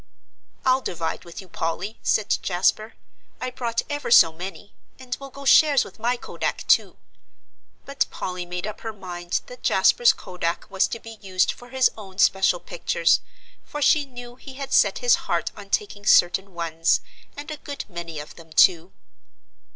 "I'll divide with you, Polly," said Jasper. "I brought ever so many, and will go shares with my kodak, too." But Polly made up her mind that Jasper's kodak was to be used for his own special pictures, for she knew he had set his heart on taking certain ones, and a good many of them, too.